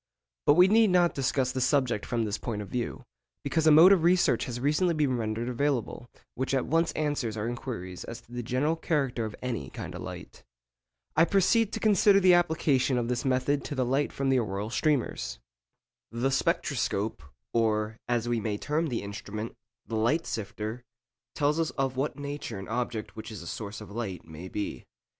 But we need not discuss the subject from this point of view, because a mode of research has recently been rendered available which at once answers our inquiries as to the general character of any kind of light. I proceed to consider the application of this method to the light from the auroral streamers. The spectroscope, or, as we may term the instrument, the 'light sifter,' tells us of what nature an object which is a source of light may be.